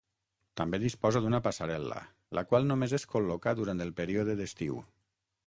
També disposa d'una passarel·la, la qual només es col·loca durant el període d'estiu.